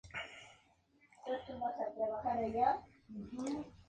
Hay grandes reservas de petróleo y gas natural.